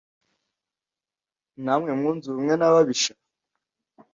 Namwe mwunze ubumwe n’ababisha‽